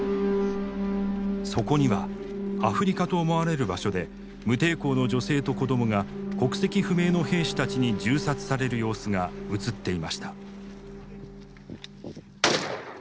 そこにはアフリカと思われる場所で無抵抗の女性と子どもが国籍不明の兵士たちに銃殺される様子が映っていました。